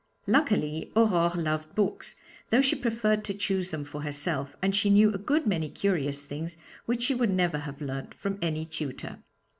Luckily Aurore loved books, though she preferred to choose them for herself, and she knew a good many curious things which she would never have learned from any tutor.